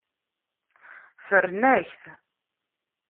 Ffren-ak-t.